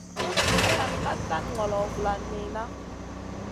Hayan ka tan ŋolo vulan niyna.